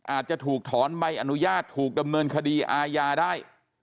อาจจะถูกถอนใบอนุญาตถูกดำเนินคดีอาญาได้